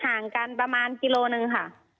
ห่างกันประมาณกิโลหนึ่งค่ะ